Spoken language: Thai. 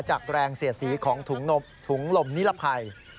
จากแรงเสียดสีของถุงลมนิรภัย